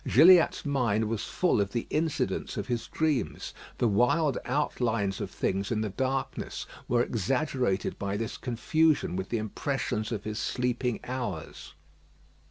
Gilliatt's mind was full of the incidents of his dreams. The wild outlines of things in the darkness were exaggerated by this confusion with the impressions of his sleeping hours.